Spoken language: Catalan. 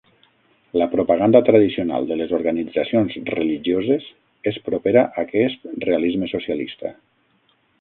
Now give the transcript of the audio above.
La propaganda tradicional de les organitzacions religioses és propera a aquest realisme-socialista.